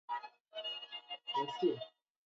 Dadangu ana maringo sana.